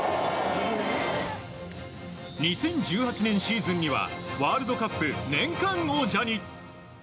２０１８年シーズンにはワールドカップ年間王者に。